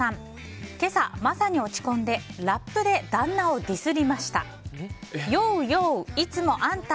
今朝、まさに落ち込んでラップで旦那をディスりました。